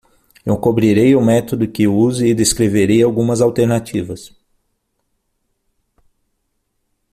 Eu cobrirei o método que uso e descreverei algumas alternativas.